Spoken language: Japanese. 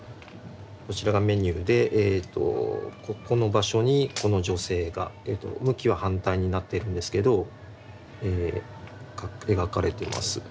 こちらがメニューでここの場所にこの女性が向きは反対になってるんですけど描かれてます。